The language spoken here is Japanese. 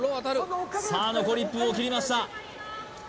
さあ残り１分を切りました